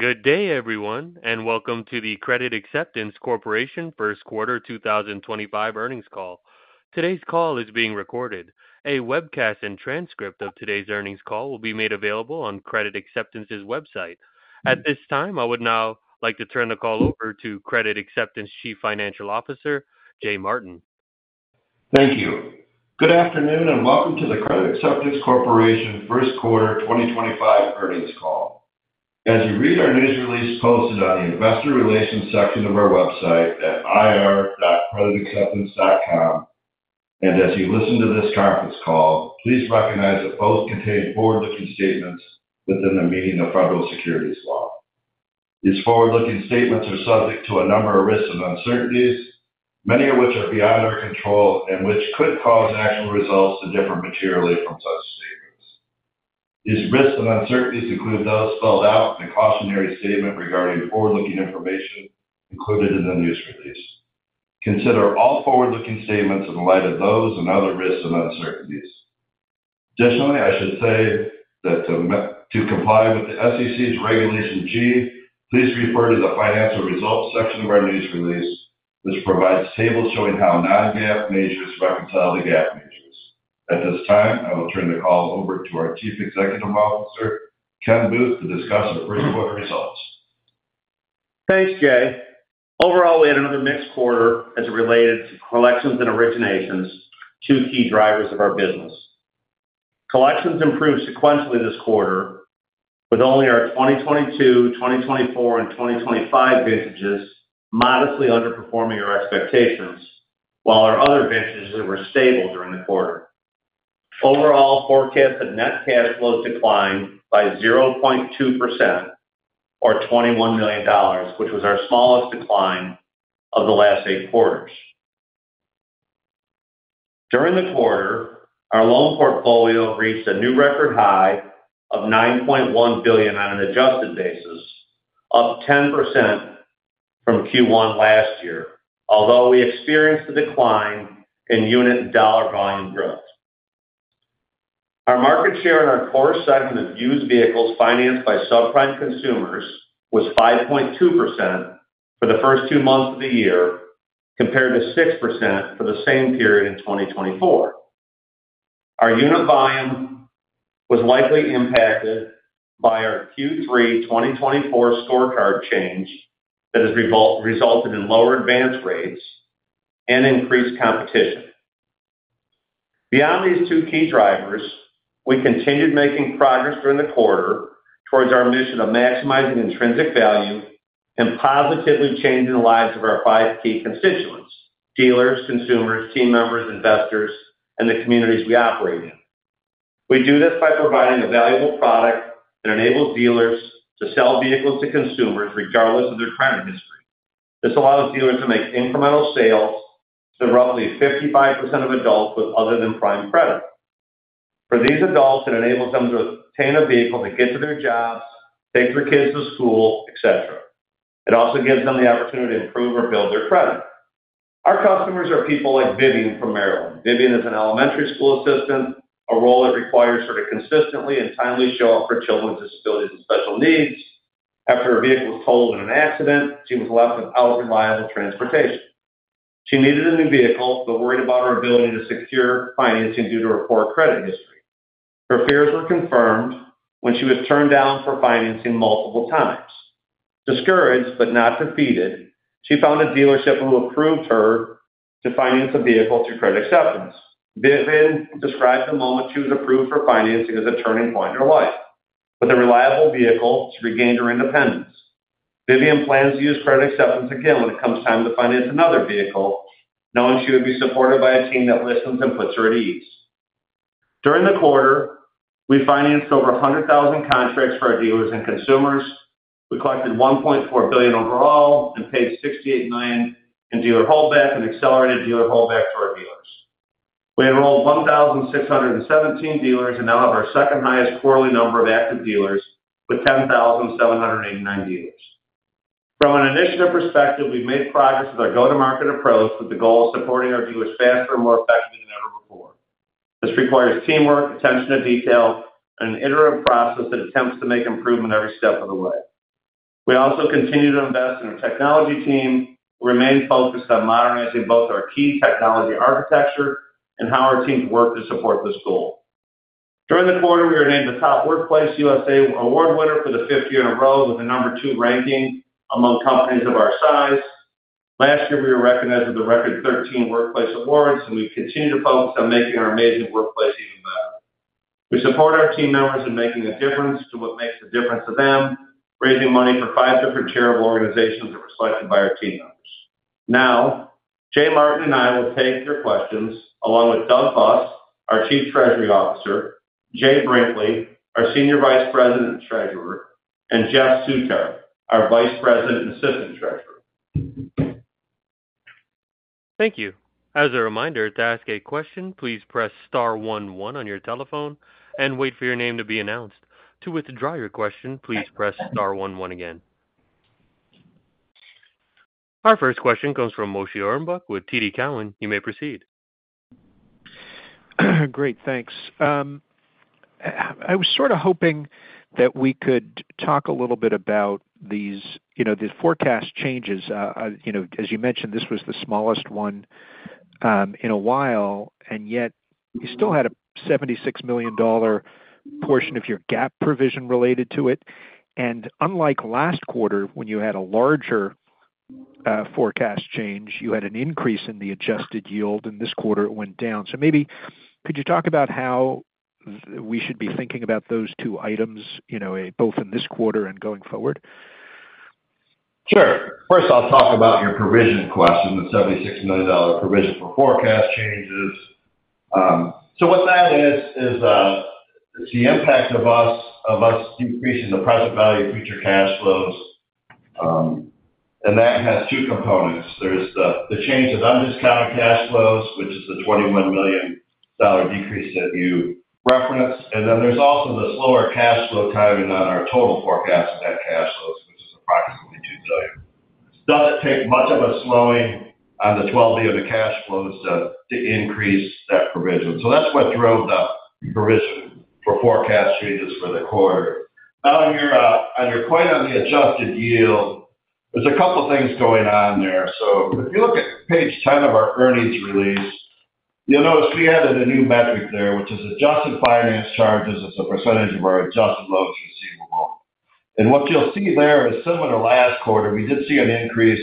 Good day, everyone, and welcome to the Credit Acceptance Corporation first quarter 2025 earnings call. Today's call is being recorded. A webcast and transcript of today's earnings call will be made available on Credit Acceptance's website. At this time, I would now like to turn the call over to Credit Acceptance Chief Financial Officer, Jay Martin. Thank you. Good afternoon and welcome to the Credit Acceptance Corporation first quarter 2025 earnings call. As you read our news release posted on the investor relations section of our website at ir.creditacceptance.com, and as you listen to this conference call, please recognize the post contained forward-looking statements within the meaning of federal securities law. These forward-looking statements are subject to a number of risks and uncertainties, many of which are beyond our control and which could cause actual results to differ materially from such statements. These risks and uncertainties include those spelled out in the cautionary statement regarding forward-looking information included in the news release. Consider all forward-looking statements in light of those and other risks and uncertainties. Additionally, I should say that to comply with the SEC's Regulation G, please refer to the financial results section of our news release, which provides tables showing how non-GAAP measures reconcile to GAAP measures. At this time, I will turn the call over to our Chief Executive Officer, Ken Booth, to discuss our first quarter results. Thanks, Jay. Overall, we had another mixed quarter as it related to collections and originations, two key drivers of our business. Collections improved sequentially this quarter, with only our 2022, 2024, and 2025 vintages modestly underperforming our expectations, while our other vintages were stable during the quarter. Overall, forecasted net cash flows declined by 0.2%, or $21 million, which was our smallest decline of the last eight quarters. During the quarter, our loan portfolio reached a new record high of $9.1 billion on an adjusted basis, up 10% from Q1 last year, although we experienced a decline in unit and dollar volume growth. Our market share in our core segment of used vehicles financed by subprime consumers was 5.2% for the first two months of the year, compared to 6% for the same period in 2024. Our unit volume was likely impacted by our Q3 2024 scorecard change that has resulted in lower advance rates and increased competition. Beyond these two key drivers, we continued making progress during the quarter towards our mission of maximizing intrinsic value and positively changing the lives of our five key constituents: dealers, consumers, team members, investors, and the communities we operate in. We do this by providing a valuable product that enables dealers to sell vehicles to consumers regardless of their credit history. This allows dealers to make incremental sales to roughly 55% of adults with other-than-prime credit. For these adults, it enables them to obtain a vehicle to get to their jobs, take their kids to school, etc. It also gives them the opportunity to improve or build their credit. Our customers are people like Vivian from Maryland. Vivian is an elementary school assistant, a role that requires her to consistently and timely show up for children with disabilities and special needs. After her vehicle was totaled in an accident, she was left without reliable transportation. She needed a new vehicle but worried about her ability to secure financing due to her poor credit history. Her fears were confirmed when she was turned down for financing multiple times. Discouraged but not defeated, she found a dealership who approved her to finance a vehicle through Credit Acceptance. Vivian described the moment she was approved for financing as a turning point in her life. With a reliable vehicle, she regained her independence. Vivian plans to use Credit Acceptance again when it comes time to finance another vehicle, knowing she would be supported by a team that listens and puts her at ease. During the quarter, we financed over 100,000 contracts for our dealers and consumers. We collected $1.4 billion overall and paid $68 million in dealer holdback and accelerated dealer holdback to our dealers. We enrolled 1,617 dealers and now have our second-highest quarterly number of active dealers with 10,789 dealers. From an initiative perspective, we've made progress with our go-to-market approach with the goal of supporting our dealers faster and more effectively than ever before. This requires teamwork, attention to detail, and an iterative process that attempts to make improvement every step of the way. We also continue to invest in our technology team and remain focused on modernizing both our key technology architecture and how our teams work to support this goal. During the quarter, we were named the Top Workplaces USA award winner for the fifth year in a row with a number two ranking among companies of our size. Last year, we were recognized with the record 13 Workplace Awards, and we continue to focus on making our amazing workplace even better. We support our team members in making a difference to what makes a difference to them, raising money for five different charitable organizations that are selected by our team members. Now, Jay Martin and I will take your questions along with Doug Busk, our Chief Treasury Officer, Jay Brinkley, our Senior Vice President and Treasurer, and Jeff Suter, our Vice President and Assistant Treasurer. Thank you. As a reminder, to ask a question, please press star 11 on your telephone and wait for your name to be announced. To withdraw your question, please press star 11 again. Our first question comes from Moshe Orenbuch with TD Cowen. You may proceed. Great. Thanks. I was sort of hoping that we could talk a little bit about these forecast changes. As you mentioned, this was the smallest one in a while, yet you still had a $76 million portion of your GAAP provision related to it. Unlike last quarter, when you had a larger forecast change, you had an increase in the adjusted yield, and this quarter it went down. Maybe could you talk about how we should be thinking about those two items, both in this quarter and going forward? Sure. First, I'll talk about your provision question, the $76 million provision for forecast changes. What that is, is the impact of us decreasing the present value of future cash flows. That has two components. There is the change in undiscounted cash flows, which is the $21 million decrease that you referenced. There is also the slower cash flow timing on our total forecast of net cash flows, which is approximately $2 billion. It does not take much of a slowing on the $2 billion of the cash flows to increase that provision. That is what drove the provision for forecast changes for the quarter. Now, on your point on the adjusted yield, there are a couple of things going on there. If you look at page 10 of our earnings release, you'll notice we added a new metric there, which is adjusted finance charges as a percentage of our adjusted loans receivable. What you'll see there is similar to last quarter. We did see an increase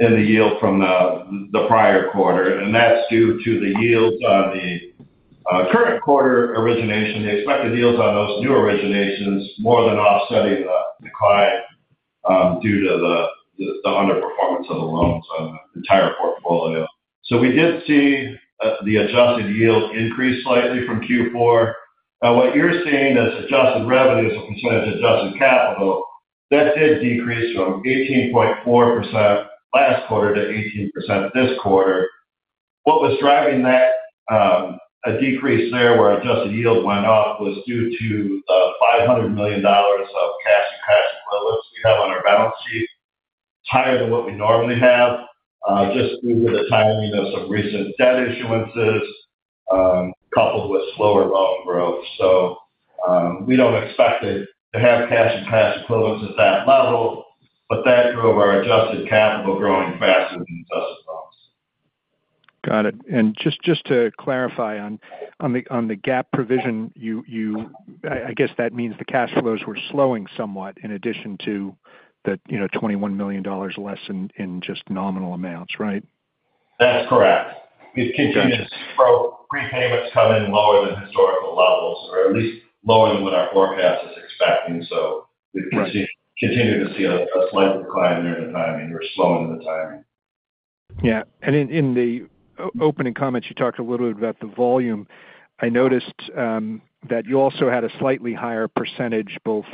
in the yield from the prior quarter, and that's due to the yields on the current quarter origination. The expected yields on those new originations more than offsetting the decline due to the underperformance of the loans on the entire portfolio. We did see the adjusted yield increase slightly from Q4. What you're seeing as adjusted revenue is a percentage of adjusted capital. That did decrease from 18.4% last quarter to 18% this quarter. What was driving that decrease there where adjusted yield went up was due to the $500 million of cash and cash equivalents we have on our balance sheet. It's higher than what we normally have just due to the timing of some recent debt issuances, coupled with slower loan growth. We don't expect to have cash or cash equivalents at that level, but that drove our adjusted capital growing faster than adjusted loans. Got it. Just to clarify on the GAAP provision, I guess that means the cash flows were slowing somewhat in addition to the $21 million less in just nominal amounts, right? That's correct. These continuous repayments come in lower than historical levels, or at least lower than what our forecast is expecting. We have continued to see a slight decline there in the timing or slowing in the timing. Yeah. In the opening comments, you talked a little bit about the volume. I noticed that you also had a slightly higher percentage both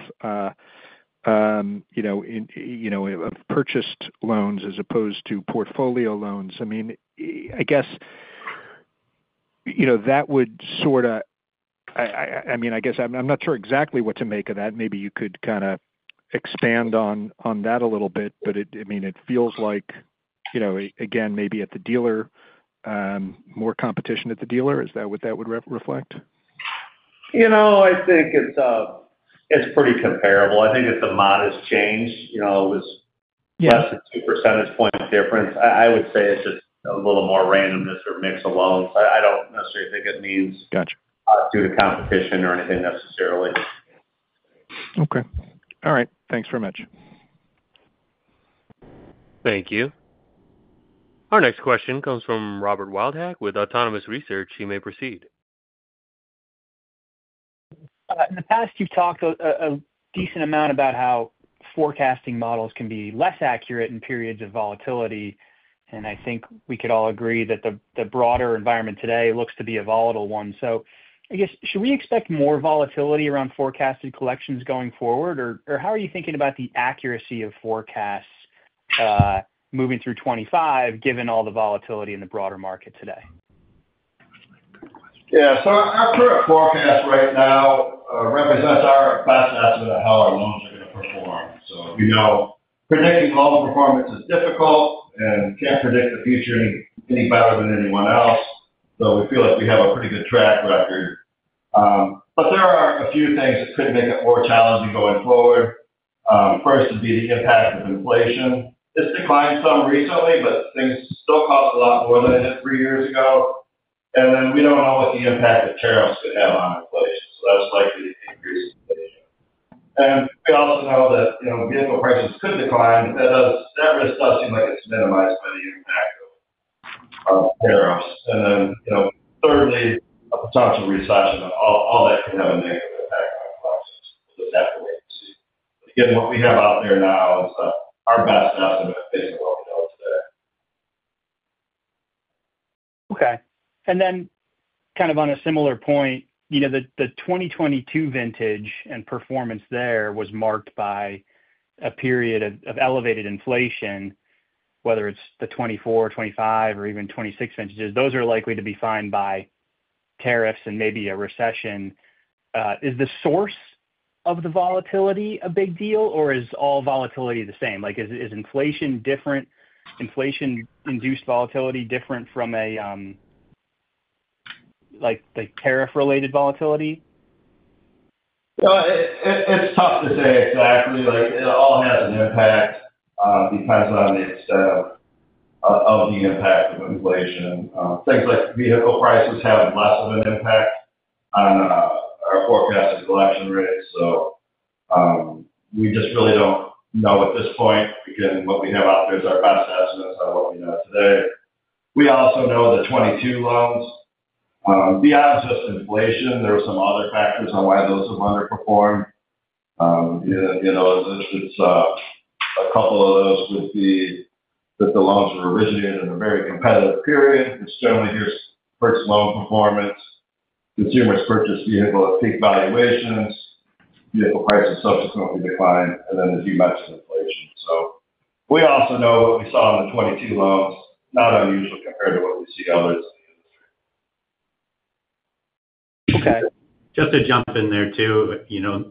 of purchased loans as opposed to portfolio loans. I mean, I guess that would sort of, I mean, I guess I'm not sure exactly what to make of that. Maybe you could kind of expand on that a little bit. I mean, it feels like, again, maybe at the dealer, more competition at the dealer. Is that what that would reflect? I think it's pretty comparable. I think it's a modest change. It was less than 2 percentage points difference. I would say it's just a little more randomness or mix of loans. I don't necessarily think it means due to competition or anything necessarily. Okay. All right. Thanks very much. Thank you. Our next question comes from Robert Wildhack with Autonomous Research. You may proceed. In the past, you've talked a decent amount about how forecasting models can be less accurate in periods of volatility. I think we could all agree that the broader environment today looks to be a volatile one. I guess, should we expect more volatility around forecasted collections going forward? How are you thinking about the accuracy of forecasts moving through 2025, given all the volatility in the broader market today? Yeah. Our current forecast right now represents our best estimate of how our loans are going to perform. We know predicting loan performance is difficult and can't predict the future any better than anyone else. We feel like we have a pretty good track record. There are a few things that could make it more challenging going forward. First would be the impact of inflation. It's declined some recently, but things still cost a lot more than they did three years ago. We don't know what the impact of tariffs could have on inflation. That's likely to increase inflation. We also know that vehicle prices could decline, but that risk does seem like it's minimized by the impact of tariffs. Thirdly, a potential recession. All that can have a negative impact on prices. We'll just have to wait and see. What we have out there now is our best estimate based on what we know today. Okay. And then kind of on a similar point, the 2022 vintage and performance there was marked by a period of elevated inflation, whether it's the 2024, 2025, or even 2026 vintages. Those are likely to be defined by tariffs and maybe a recession. Is the source of the volatility a big deal, or is all volatility the same? Is inflation different, inflation-induced volatility different from a tariff-related volatility? It's tough to say exactly. It all has an impact because of the impact of inflation. Things like vehicle prices have less of an impact on our forecasted collection rate. We just really don't know at this point because what we have out there is our best estimates on what we know today. We also know the 2022 loans. Beyond just inflation, there are some other factors on why those have underperformed. A couple of those would be that the loans were originated in a very competitive period. It's generally here's purchased loan performance, consumers purchased vehicle at peak valuations, vehicle prices subsequently declined, and, as you mentioned, inflation. We also know what we saw in the 2022 loans, not unusual compared to what we see elsewhere in the industry. Okay. Just to jump in there too,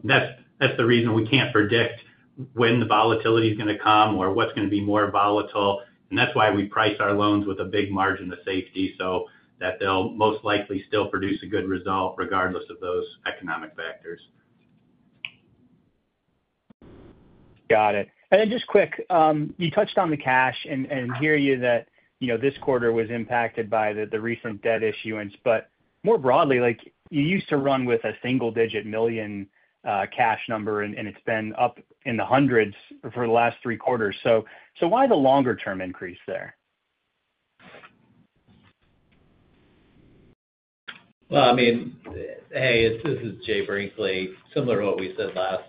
that's the reason we can't predict when the volatility is going to come or what's going to be more volatile. That's why we price our loans with a big margin of safety so that they'll most likely still produce a good result regardless of those economic factors. Got it. Just quick, you touched on the cash, and I'm hearing you that this quarter was impacted by the recent debt issuance. More broadly, you used to run with a single-digit million cash number, and it's been up in the hundreds for the last three quarters. Why the longer-term increase there? I mean, hey, this is Jay Brinkley. Similar to what we said last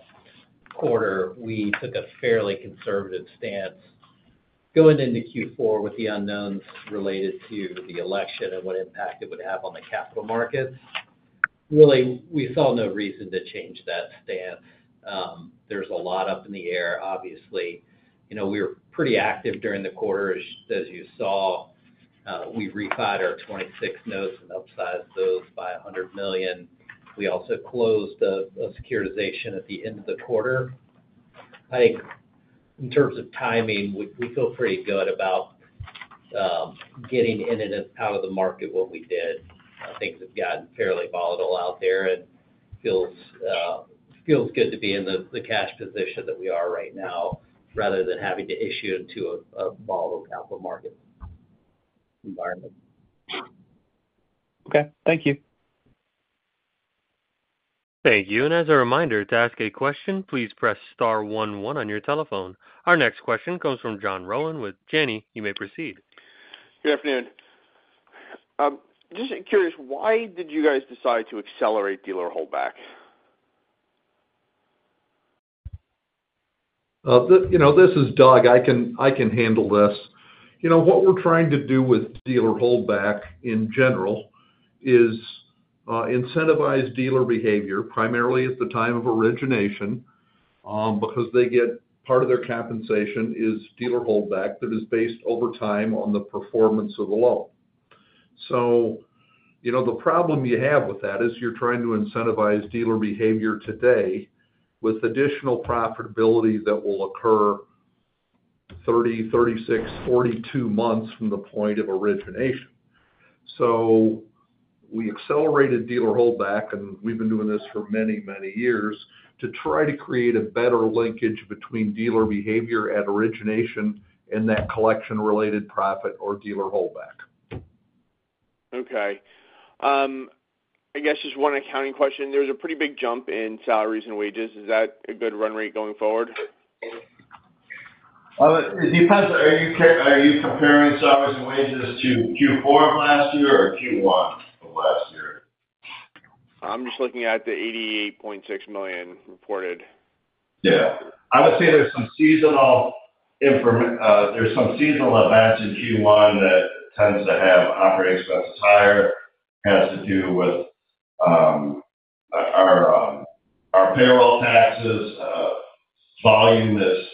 quarter, we took a fairly conservative stance going into Q4 with the unknowns related to the election and what impact it would have on the capital markets. Really, we saw no reason to change that stance. There is a lot up in the air, obviously. We were pretty active during the quarter, as you saw. We refinanced our '26 notes and upsized those by $100 million. We also closed a securitization at the end of the quarter. I think in terms of timing, we feel pretty good about getting in and out of the market when we did. Things have gotten fairly volatile out there, and it feels good to be in the cash position that we are right now rather than having to issue into a volatile capital market environment. Okay. Thank you. Thank you. As a reminder, to ask a question, please press star 11 on your telephone. Our next question comes from John Rowan with Janney You may proceed. Good afternoon. Just curious, why did you guys decide to accelerate dealer holdback? This is Doug. I can handle this. What we're trying to do with dealer holdback in general is incentivize dealer behavior, primarily at the time of origination, because part of their compensation is dealer holdback that is based over time on the performance of the loan. The problem you have with that is you're trying to incentivize dealer behavior today with additional profitability that will occur 30, 36, 42 months from the point of origination. We accelerated dealer holdback, and we've been doing this for many, many years to try to create a better linkage between dealer behavior at origination and that collection-related profit or dealer holdback. Okay. I guess just one accounting question. There's a pretty big jump in salaries and wages. Is that a good run rate going forward? Are you comparing salaries and wages to Q4 of last year or Q1 of last year? I'm just looking at the $88.6 million reported. Yeah. I would say there's some seasonal events in Q1 that tend to have operating expenses higher. It has to do with our payroll taxes, volume that's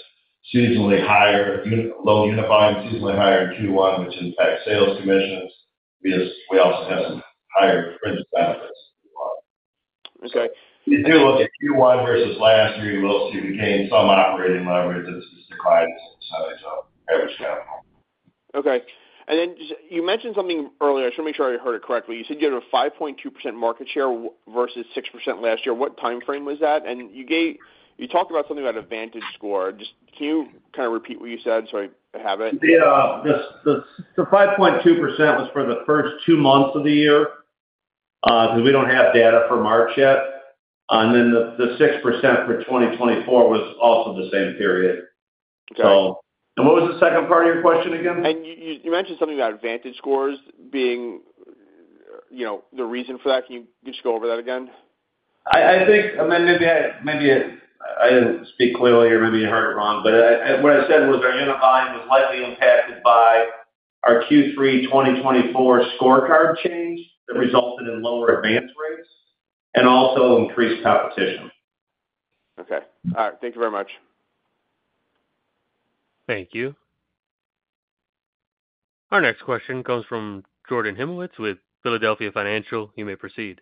seasonally higher, low unit volume seasonally higher in Q1, which impacts sales commissions. We also have some higher fringe benefits in Q1. Okay. If you look at Q1 versus last year, you will see we gained some operating leverage that's declined in some percentage of average capital. Okay. You mentioned something earlier. I just want to make sure I heard it correctly. You said you had a 5.2% market share versus 6% last year. What timeframe was that? You talked about something about a VantageScore. Just can you kind of repeat what you said so I have it? The 5.2% was for the first two months of the year because we do not have data for March yet. The 6% for 2024 was also the same period. Okay. What was the second part of your question again? You mentioned something about VantageScore being the reason for that. Can you just go over that again? I think, and maybe I didn't speak clearly or maybe you heard it wrong, but what I said was our unit volume was likely impacted by our Q3 2024 scorecard change that resulted in lower advance rates and also increased competition. Okay. All right. Thank you very much. Thank you. Our next question comes from Jordan Hymowitz with Philadelphia Financial. You may proceed.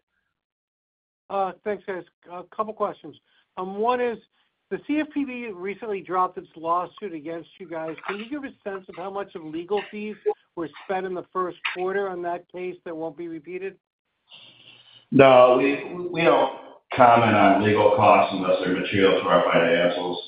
Thanks, guys. A couple of questions. One is, the CFPB recently dropped its lawsuit against you guys. Can you give a sense of how much of legal fees were spent in the first quarter on that case that won't be repeated? No. We don't comment on legal costs unless they're material to our financials.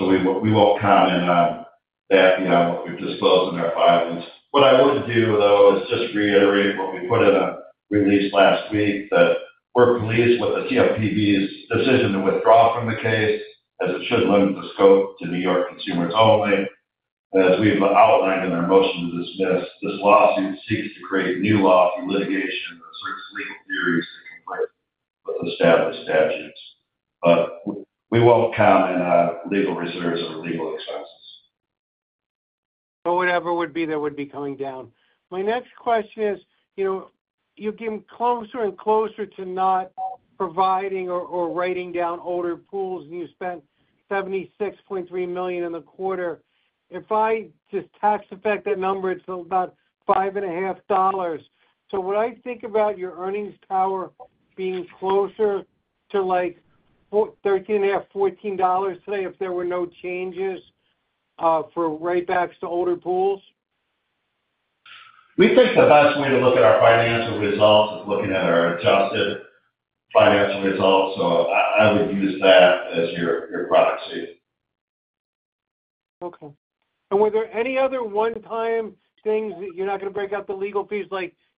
We won't comment on that, what we've disclosed in our filings. What I would do, though, is just reiterate what we put in a release last week, that we're pleased with the CFPB's decision to withdraw from the case as it should limit the scope to New York consumers only. As we've outlined in our motion to dismiss, this lawsuit seeks to create new law for litigation and certain legal theories that conflict with established statutes. We won't comment on legal reserves or legal expenses. Whatever it would be, that would be coming down. My next question is, you're getting closer and closer to not providing or writing down older pools, and you spent $76.3 million in the quarter. If I just tax-affect that number, it's about $5.5. Would I think about your earnings power being closer to $13.5-$14 today if there were no changes for write-backs to older pools? We think the best way to look at our financial results is looking at our adjusted financial results. I would use that as your proxy. Okay. Were there any other one-time things that you're not going to break out the legal fees?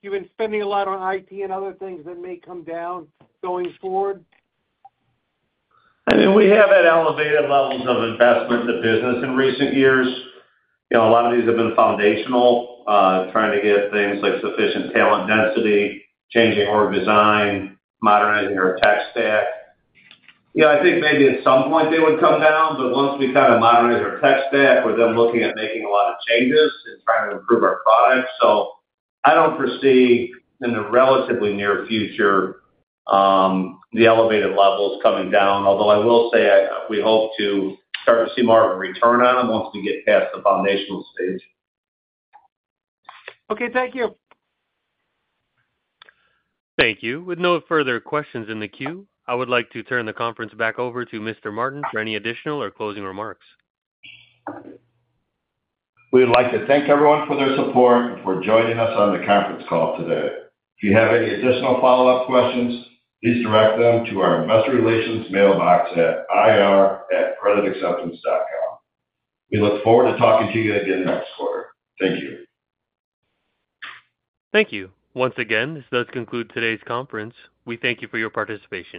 You've been spending a lot on IT and other things that may come down going forward? I mean, we have had elevated levels of investment to business in recent years. A lot of these have been foundational, trying to get things like sufficient talent density, changing org design, modernizing our tech stack. I think maybe at some point they would come down, but once we kind of modernize our tech stack, we're then looking at making a lot of changes and trying to improve our product. I don't foresee in the relatively near future the elevated levels coming down, although I will say we hope to start to see more of a return on them once we get past the foundational stage. Okay. Thank you. Thank you. With no further questions in the queue, I would like to turn the conference back over to Mr. Martin for any additional or closing remarks. We'd like to thank everyone for their support and for joining us on the conference call today. If you have any additional follow-up questions, please direct them to our investor relations mailbox at ir@creditacceptance.com. We look forward to talking to you again next quarter. Thank you. Thank you. Once again, this does conclude today's conference. We thank you for your participation.